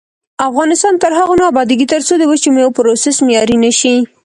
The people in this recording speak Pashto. افغانستان تر هغو نه ابادیږي، ترڅو د وچو میوو پروسس معیاري نشي.